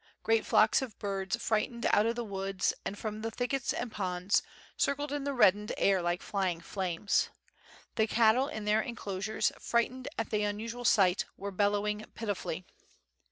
Great flocks of birds frightened out of the woods and from the thickets and ponds, circled in the reddened air like flying flames. The cattle in their enclosures, frightened at the un usual sight, were bellowing pitifully.